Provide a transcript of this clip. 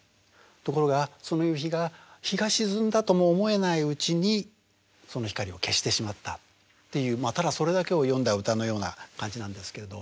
ところがその夕日が日が沈んだとも思えないうちにその光を消してしまったっていうただそれだけを詠んだ歌のような感じなんですけれど。